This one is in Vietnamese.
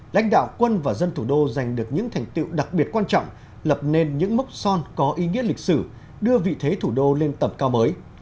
lãnh đạo quân và dân thủ đô giành được những thành tiệu đặc biệt quan trọng lập nên những mốc son có ý nghĩa lịch sử đưa vị thế thủ đô lên tầm cao mới